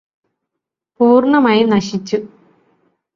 പൂര്ണ്ണമായും നശിച്ചു